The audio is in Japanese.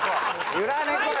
ゆら猫よ！